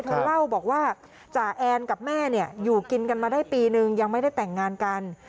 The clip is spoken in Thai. เธอเล่าบอกว่าจ่าแอนกับแม่เนี่ยอยู่กินกันมาได้ปีนึงยังไม่ได้แต่งงานกัน